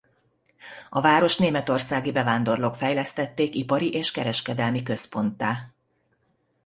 A várost németországi bevándorlók fejlesztették ipari és kereskedelmi központtá.